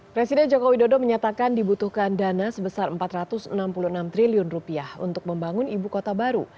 presiden jokowi dodo menyatakan dibutuhkan dana sebesar rp empat ratus enam puluh enam triliun untuk membangun ibu kota baru